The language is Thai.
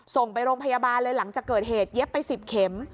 ส่งโรงพยาบาลเลยหลังจากเกิดเหตุเย็บไป๑๐เข็ม